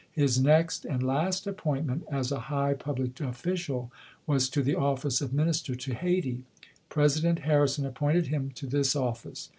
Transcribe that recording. His next and last appointment as a high public official was to the office of Minister to Hayti. President Harrison appointed him to this office.